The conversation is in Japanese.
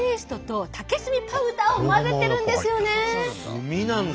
炭なんだ。